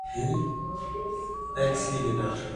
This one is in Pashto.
فرهنګ د ولس د ګډو ګټو ساتنه کوي.